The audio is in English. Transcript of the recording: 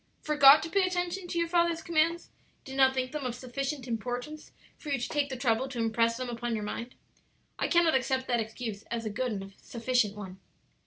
forgot to pay attention to your father's commands? did not think them of sufficient importance for you to take the trouble to impress them upon your mind. I cannot accept that excuse as a good and sufficient one.